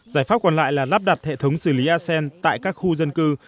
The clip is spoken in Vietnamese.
giải pháp còn lại là lắp đặt hệ thống xử lý asean tại các khu dân cư